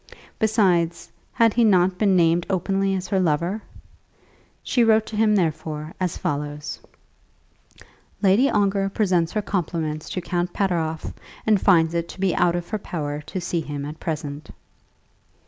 Besides, had he not been named openly as her lover? She wrote to him, therefore, as follows: "Lady Ongar presents her compliments to Count Pateroff, and finds it to be out of her power to see him at present."